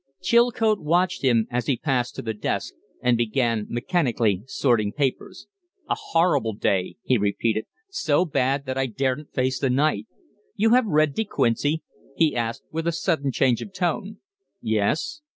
Chilcote watched him as he passed to the desk and began mechanically sorting papers. "A horrible day!" he repeated. "So bad that I daren't face the night. You have read De Quincey?" he asked, with a sudden change of tone. "Yes."